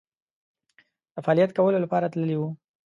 د فعالیت کولو لپاره تللي وو.